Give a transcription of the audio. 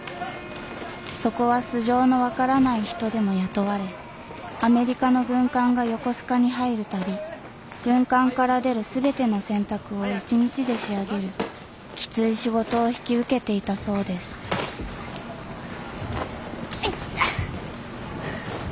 そこは素性のわからない人でも雇われアメリカの軍艦が横須賀に入る度軍艦から出る全ての洗濯を一日で仕上げるきつい仕事を引き受けていたそうですアイタッ！